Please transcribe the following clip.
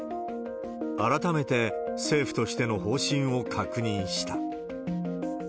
改めて政府としての方針を確認した。